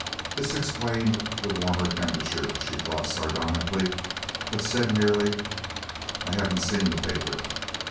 This explained the warmer temperature, she thought sardonically, but said merely: "I haven't seen the paper."